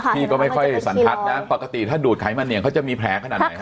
พี่ก็ไม่ค่อยสันทัศน์นะปกติถ้าดูดไขมันเนี่ยเขาจะมีแผลขนาดไหนฮ